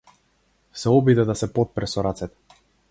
Се обиде да се потпре со рацете.